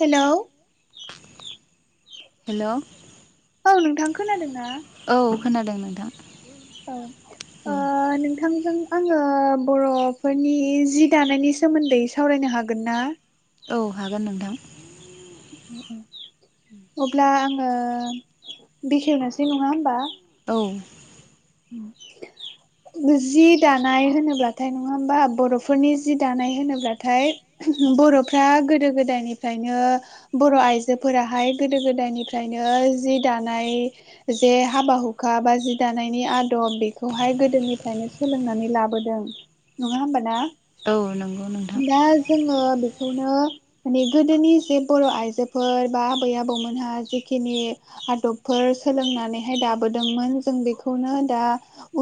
Hello hello औ नोंथां खोनादों ना औ खोनादों नोंथां औ ओ नोंथांजों आङो बर'फोरनि जि दानायनि सोमोन्दै सावरायनो हागोन ना? औ हागोन नोंथां अब्ला आङो बेखेवनोसै नङा होमबा औ [inaudible] जि दानाय होनोब्लाथाय नङा होमबा बर'फोरनि जि दानाय होनोब्लाथाय बर'फ्रा गोदो-गोदायनिफ्रायनो बर' आइजोफोराहाय गोदो-गोदायनिफ्रायनो जि दानाय जे हाबा हुखा बा जि दानाय आदब बेखौहाय गोदोनिफ्रायनो सोलोंनानै लाबोदों नङा होमबा ना? दा जोङो बेखौनो। माने गोदोनि जे बर' आइजोफोर बा आबै आबौमोनहा जेखिनि आदबफोर सोलोंनानैहाय दाबोदोंमोन जों बेखौनो दा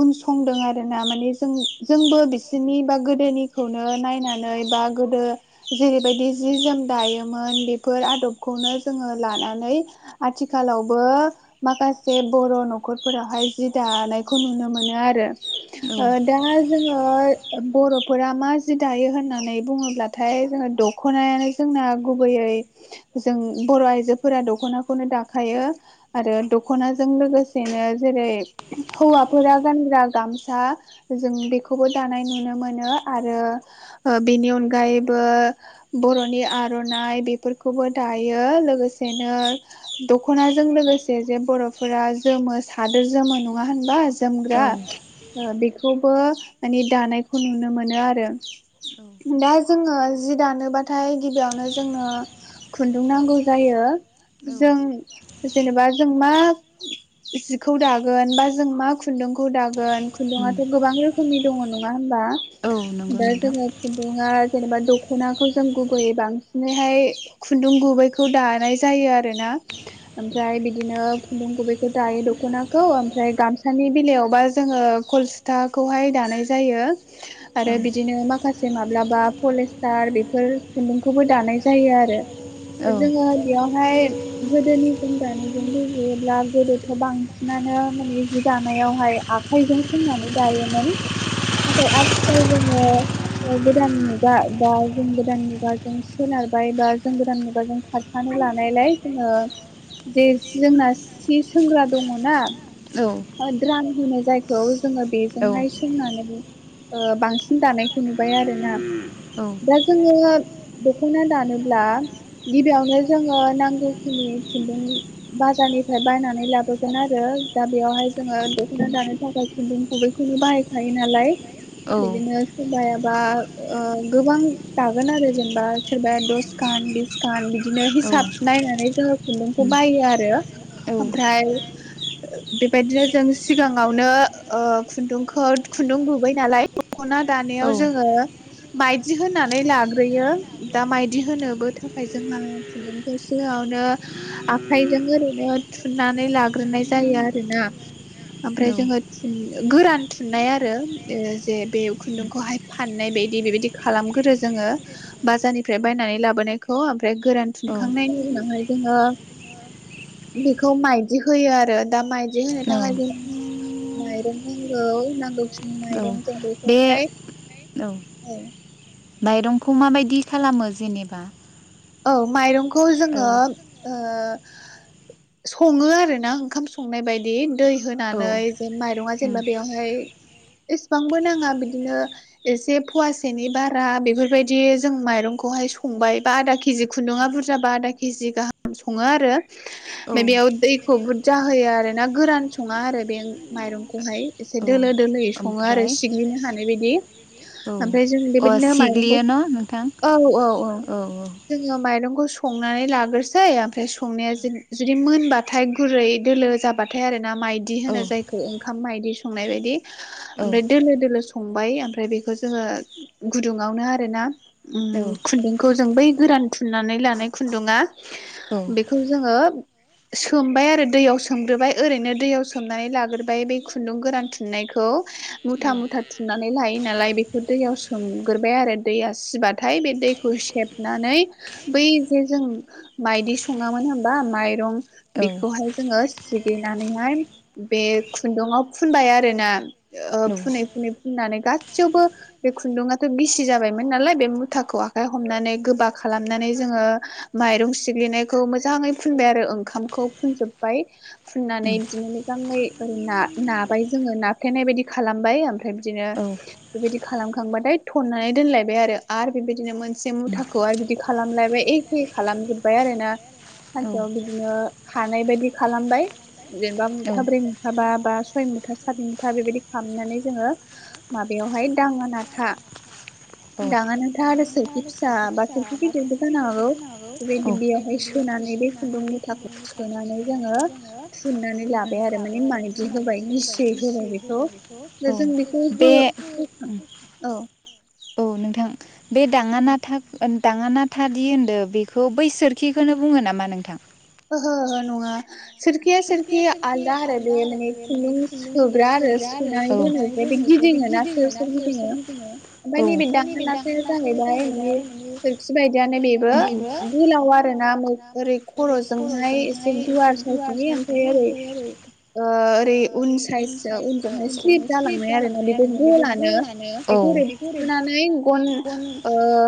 उन संदों आरोना माने जों जोंबो बिसोरनि बा गोदोनिखौनो नायनानै बा गोदो जेरैबायदि जि जोम दायोमोन बेफोर आदबखौनो जोङो लानानै आथिखालावबो माखासे बर' न'खरफोरावहाय जि दानायखौ नुनो मोनो आरो दा जोङो बर'फोरा मा जि दायो होननानै बुङोब्लाथाय जोङो दख ख'नायानो जोंना गुबैयै जों बर' आइजोफोरा दख'नाखौनो दाखायो। आरो दख'नाजों लोगोसेनो जेरै हौवाफोरा गानग्रा गामसा। जों बेखौबो दानाय नुनो मोनो आरो बेनि अनगायैबो बर'नि आर'नाइ बेफोरखौबो दायो लोगोसेनो दखनाजों लोगोसे जे बर'फोरा जोमो सादोर जोमो नङा। नङा होनबा जोमग्रा। ओ बेखौबो माने दानायखौ नुनो मोनो आरो। दा जोङो जि दानोबाथाय गिबियावनो जोङो खुन्दुं नांगौ जायो। जों जेनेबा जों मा जिखौ दागोन बा जों मा खुन्दुंखौ दागोन खुन्दुंआथ' गोबां रोखोमनि दङ नङा होमबा? दा जोङो खुन्दुंआ जेनेबा दख'नाखौ जों गुबैयै बांसिनैहाय खुन्दुं गुबैखौ दानाय जायो आरोना। ओमफ्राय बिदिनो खुन्दुं गुबैखौ दायो दख'नाखौ ओमफ्राय गामसानि बेलायावबा जोङो खलसुथाखौहाय दानाय जायो। आरो बिदिनो माखासे माब्लाबा पलिस्टार बेफोर खुन्दुंखौबो दानाय जायो आरो। जोंङो बेयावहाय गोदोनि जों दानिजों रुजुयोब्ला गोदोथ' बांसिनानो माने जि दानायावहाय आखाइजों सोंनानै दायोमोन नाथाय आथिखालाव जोङो गोदान मुगा बा जों गोदान मुगाजों सोनारबाय बा जों गोदान मुगाजों नानै थानो लानायलाय जोङो जे जोंना सि सोंग्रा दङ ना? द्राम होनाय जायखौ जोङो बेजोंहाय सोंनानै बांसिन दानायखौ नुबाय आरोना दा जोङो। दख'ना दानोब्ला गिबियावनो जोङो नांगौखिनि ओ खुन्दुं बाजारनिफ्राय बायनानै लाबोगोन आरो दा बेयावहाय जोङो बेख'ना दानो थाखाय खुन्दुं गुबैखौनो बाहायखायो नालाय बिदिनो सोरबायाबा गोबां दागोन आरो जेनेबा सोरबाया दस दसकान बिसकान बिदिनो हिसाब नायनानै जोङो। खुन्दुंखो बायो आरो ओमफ्राय बेदिनो जों सिगाङावनो ओ खुन्दुंखौ खुन्दुं गुबै नालाय दख'ना दानायाव जोङो। माइदि होनानै लाग्रोयो दा माइदि होनोबो थाखाय जोंहा सिखौ सिङावनो आखायजों ओरैनो थुनानै लाग्रोनाय जायो। ना ओमफ्राय जोङो गोरान थुननाय आरो जे बे खुन्दुंखौहाय फाननाय बायदि बेबायदि खालामगोरो जोङो बाजारनिफ्राय बायनानै लाबोनायखौ ओमफ्राय गोरान। थुनखांनायनि उनावहाय जोङो बेखौ माइदि होयो आरो दा माइदि जे होनो थाखाय जोङो माइरं नांगौ नांगौखिनि माइरं जों बेखौहाय औ माइरंखौ माबायदि खालामो जेनेबा औ माइरंखौ जोङो ओ सङो आरो ना ओंखाम संनाय बायदि दै होनानै जेन माइरंङा जेनेबा बेवहाय एसेबांबो नाङा बिदिनो एसे फवासेनि बारा बेफोरबायदि जों माइरंखौहाय संबाय बा आदा‌ किजि केजि खुन्दुङा बुरजाबा आदा केजि गाहाम सङो आरो ओमफ्राय बेयाव दैखौ बुरजा होयो आरो ना गोरान सङा आरो बे माइरंखौहाय एसे दोलो दोलोयै सङो आरो सिग्लिनो हानाय बायदि ओमफ्राय जों बेबायदिनो माइरंखौ औ औ औ जोङो माइरंखौ संनानै लाग्रोसै ओमफ्राय संनाया जा जुदि मोनबा थाय गुरै दोलो जाबाथाय आर ना मायदि होनो जायखौ ओंखाम माइदि संनाय बायदि ओमफ्राय दोलो दोलो संबाय ओमफ्राय बेखौ जोङो गुदुङावनो आरो ना खुन्दुंखौ जों बै गोरान थुननानै लानाय खुन्दुङा बेखौ जोङो सोमबाय आरो दैयाव सोमग्रोबाय ओरैनो दैयाव सोमनानै लाग्रोबाय बे खुन्दुं गोरान थुननायखौ मुथा मुथा थुननानै लायो नालाय बेखौ दैयाव सोमग्रोबाय आरो दैया सिबा थाइ बे दैखौ सेब नानै बै जे जों मायदि सङामोन होमबा माइरं बेखौहाय जोङो सिगलिनानैहाय बे खुन्दुङूव फुनबाय आरोना ओ फुनै फुनै फुननानै गासैयावबो बे खुन्दुङाथ' गिसि जाबायमोन नालाय बे मुथाखौ आखाइ हमनानै गोबा खालामनानै जोङो माइरं सिग्लिनायखौ मोजाङै फुनबाय आरो ओंखामखौ फुनजोब बाय फुननानै बिदिनो मोजाङै ओैा नाबाय जोङो नाफ्लेनाय बायदि खालामबाय ओमफ्राय बिदिनो बेबायदि खालामखांबाथाय थननानै दोनलायबाय आरो आरो बेबायदिनो मोनसे थाखौ आरो बिदि खालामलायबाय एखे खालामजोबबाय आरो ना सानसेयाव बिदि बिदिनो हानाय बायदि खालामबाय जेनेबा मुथाब्रै माबा बा सय मुथा सात मुथा बेबायदि खालामनानै जोङो माबायावहाय दाङानाथा दाङानाथा आरो सोरथि खोरखि फिसा बा खोरफि फिबो दागौ बे बिैयावहाय सनानै बे खुन्दुं सोनानै जोङो थुननानै लाबाय आरो माने माइदि होबाय गिसियै जोंङो बेखौ दा जों बेखौ हो हो औ औ नोंथां बे दाङानाथा दाङाना थादि होनदो बेखौ बैसोरखिखौनो बुङो नामा नोंथां? ओहो ओहो नङा सोरखिया सोरखि एसे आलदा आरो बे माने खुन्दुं सोग्रा आरो सोनानै दोनो जे बे गिदिङो ना सोर सोर गिदिंङो ओमफ्राय नैबे दाङा नाथाया जाहैबाय माने बायदियानो बेबो गोलाव आरोना ओरै खर'जोंहाय एसे गुवार साइसनि ओमफ्रायो ओरै ओरै उन साइस उनजोंहाय स्लिप जालांनाय आरो ना बेबो गलानो बेखौ ओरै सुनानै गन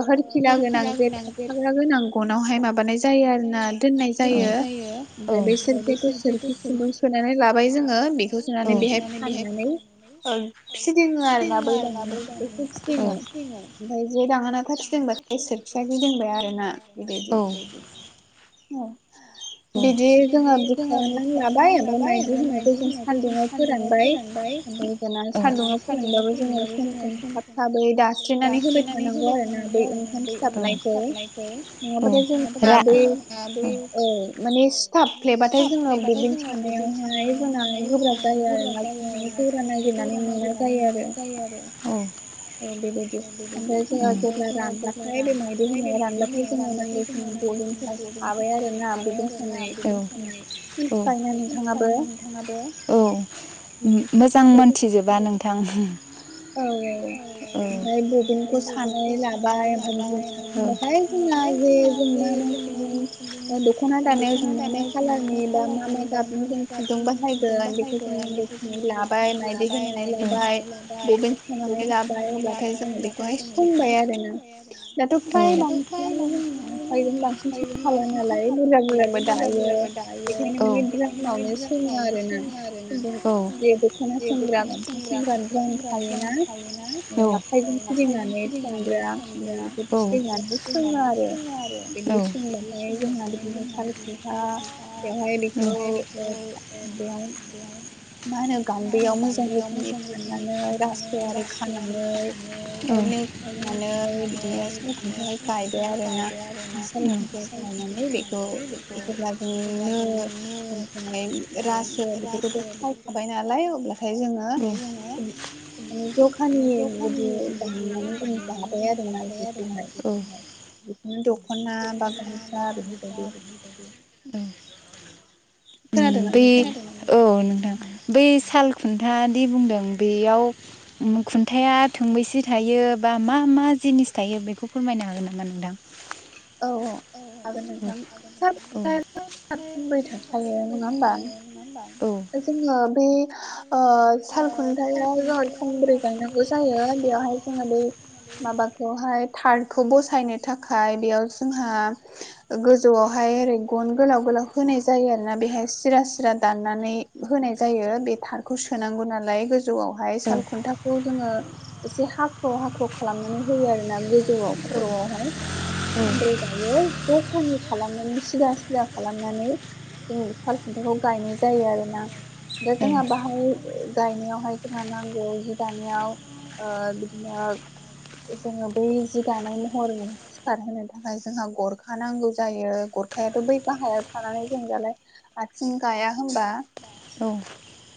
होरखिला गोनां जे थाबथाग्रा गोनां गनावहाय माबानाय जायो आरो ना दोननाय जायो ओमफ्राय बेैसोर जेथु सोरखि खुन्दुं सोनानै लाबाय जोङो बेखौ सोनानै बेहाय फाननानै फिदिङो आरोना बै दाङानाथाखौ फिदिङो ओमफ्राय जे दाङानाथा फिदिंबाथाय बे सोरखिया गिदिंबाय आरो ना बेबायदि औ बिदि जोंहा बुखायाना नानै लाबाय ओमफ्राय मायदि होननायखौ जों सानदुङाव फोरानबाय ओमफ्राय जों सान्दुुंङाव फोरानबाबो जोङो सम सम थाब थाबै दास्रिनानै होबाय थानांगौ आरोोना ब ओंखाम सिथाबनायखौ अ रा बै माने सिथाबफ्लेबाथाय जों बबिन सानायावहाय जोंना गोब्राब जायो आरोना जोंनो जरा नागिरनानै मोना जायो आरो आरो औ औ ओमफाय जोंना रानबाथाय बे मायदि होनाया रानबाथाय नो आया ओरैनो आ औ नोंथाङा दे औ मोजां मोनथिजोब बा नोंथां औ औ ओमफ्राय बबिनखौ सानै लाबाय ओमफ्राय म स होमबाथाय जोंना जे जों मा मोनथिनो ओ दख'ना दानायाव जों मा मा खालारनि बा मा मा गाबनि जों खुन्दुं बाहायगोन बेखौ जों नांगौथि लाबाय नायदि होनानै लाबाय बबेन सानानै लाबाय अब्लाथाय जोङो बेखौहाय सोंबाय आरोना दाथ' फ्राय बांसिनानो मा आ फ्रायजों बांसिन सनखा नालाय बुरजा बुरजाबो दायो। बेखायनो माने द्रामावनो सोङो आरोना सों बे दख'ना सोंग्रागोन ज ब्रा [unintelligible] ज थायोना औ आखाइजों फिदिंनानै संग्रा औ औ [unintelligible] औ मा होनो गानदैयाव मोजां रोखोमनि फाननानै रासो आरि खानानै ओमफ्राय नो खानानै बिदिनो साल खुनथा गायबाय आरो ना साल खुन्था गायनानै बेखौ इखन [unintelligible] नो ओमफ्राय रासो बेफोरखौ फायखाबाय नालाय अब्लाथाय जोङो म जखानि बिदि बानायनानै जों जाबाय आरोना जिखौहाय बिदिनो दख'ना बा गामसा बेफोरबायदि औ बे औ नोंथां उम [unintelligible] बै साल खुन्थादि बुंदों बेयाव खुन्थायाइा थोंबैसे थायो बा मा मा जिनिस थायो बेखौ फोरमायनो हागोन नामा नोंथां? औ औ हागोन नोंथां साल खुनथाया थंथाम [unintelligible] थोंब्रै थाखायो नङा होमबा औ जोङो बे ओ साल खुन्थायया जोंहा थंब्रै गायनांगौ जायो बेवहाय जोंङो बै माबा बेवहाय थारखौ बसायनो थाखाय बेयाव जोंहा गोजौआवहाय ओरै गन गोलाव गोलाव होनाय जायो आरो ना बेहाय सिरा सिरा दाननानै होनाय जायो बे थारखौ सोनांगौ नालाय गोजौयावहाय साल खुनथा खौ जोङो एसे हाख्र' हाख्र' खालामनानै होयो आरो ना गोजौआव खर'यावहाय सानद्रै जायो जखानि खालामनानै सिदा सिदा खालामनानै जों साल खुन्थाखौ गायनाय जायो आरो ना दा जोंहा बाहाय गायनायावहाय जोंहा नांगौ जि दानायाव बिदिनो जोङो बै जि दानाय महरै सिखारहोनो थाखाय जोंहा गरखा नांगौ जायो गरखायाथ' बै गाहायाव थानानै जों दालाय आथिं गाया होनबा औ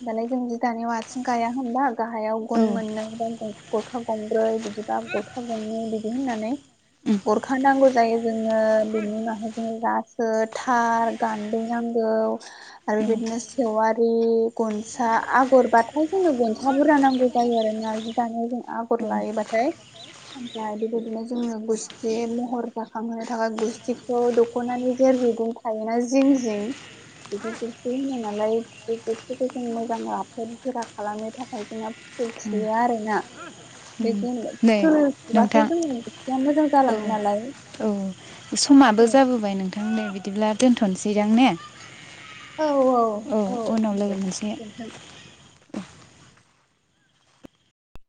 दालाय जों जि दानायाव आथिं गाया होनबा गाहायाव गन मोननै बा गन गरखा गंब्रै बिदिबा गरखा' गंनै बिदि होननानै गरखा नांगौ जायो जोङो बिनि माहाजों रासो थार गान्दै नांगौ आरो बेबायदिनो सेवारि गनसा आगरबाथाय जोंनो गनसा बुरजा नांगौ जायो आरोना जि दानायाव जों आगर गर लायोबाथाय ओमफाय बेबायदिनो जोङो गुस्थि महर जाखांहोनो थाखाय गुस्थिखौ दख'नानि जेरैबादि थायोना जिं जिं बेफोरखौसो होनानै नालाय बे बुस्थुखौ जों मोजां लाफ गोरा खालामनो थाखाय जोङो फुथुल थुयो आरोना बे जिङाव फुथुल थुबासो जोंनि गुसथिया मोजां जालाङो नालाय समाबो जाबोबाय नोंथां दे बिदिब्ला दोनथ'नोसै दां ने औ औ औ उनाव लोगो मोनसिगोन